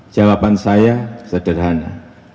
jawaban saya sederhana